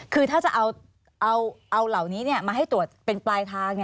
คือถ้าจะเอาเหล่านี้มาให้ตรวจเป็นปลายทาง